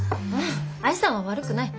愛さんは悪くない。